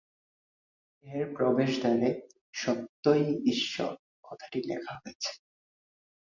এর প্রবেশদ্বারে "সত্যই ঈশ্বর" কথাটি লেখা হয়েছে।